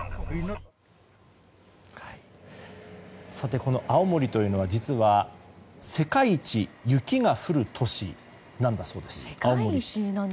この青森というのは実は世界一雪が降る年なんだそうです。